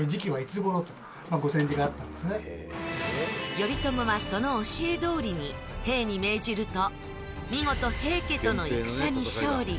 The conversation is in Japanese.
頼朝はその教えどおりに兵に命じると見事平家との戦に勝利。